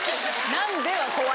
「何で」は怖いね。